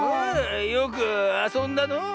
よくあそんだのう。